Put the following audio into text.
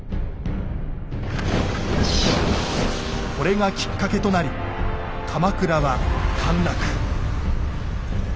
これがきっかけとなり鎌倉は陥落。